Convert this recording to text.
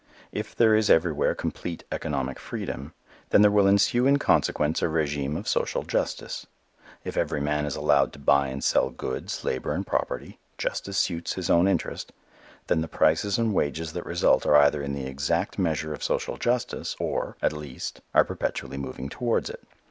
If there is everywhere complete economic freedom, then there will ensue in consequence a régime of social justice. If every man is allowed to buy and sell goods, labor and property, just as suits his own interest, then the prices and wages that result are either in the exact measure of social justice or, at least, are perpetually moving towards it.